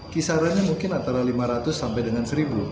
kisarannya mungkin antara lima ratus sampai dengan seribu